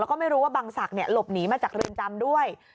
แล้วก็ไม่รู้ว่าบังศักดิ์หลบหนีมาจากเรือนจำด้วย